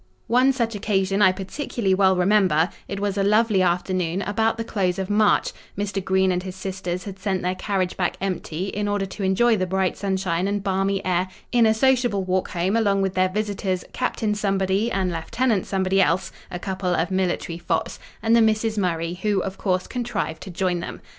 One such occasion I particularly well remember; it was a lovely afternoon about the close of March; Mr. Green and his sisters had sent their carriage back empty, in order to enjoy the bright sunshine and balmy air in a sociable walk home along with their visitors, Captain Somebody and Lieutenant Somebody else (a couple of military fops), and the Misses Murray, who, of course, contrived to join them.